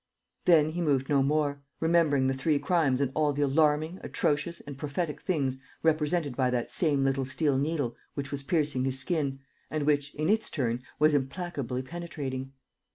Then he moved no more, remembering the three crimes and all the alarming, atrocious and prophetic things represented by that same little steel needle which was piercing his skin and which, in its turn, was implacably penetrating.